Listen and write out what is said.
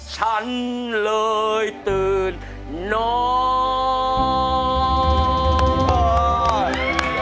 ฉันเลยตื่นนอน